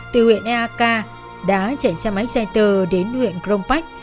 từ huyện ek đã chạy xe máy xe tờ đến huyện crongpach